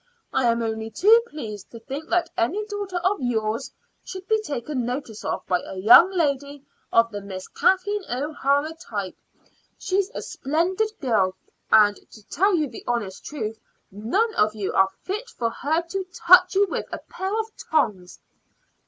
I am only too pleased to think that any daughter of yours should be taken notice of by a young lady of the Miss Kathleen O'Hara type. She's a splendid girl; and, to tell you the honest truth, none of you are fit for her to touch you with a pair of tongs."